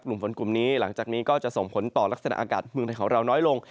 กลุ่มฝนกลุ่มนี้หลังจากนี้ก็จะส่งผลต่อลักษณะอากาศเมืองไทยของเราน้อยลง